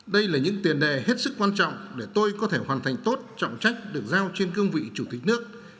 đây là những tiền đề hết sức quan trọng để tôi có thể hoàn thành tốt trọng trách được giao trên cương vị chủ tịch nước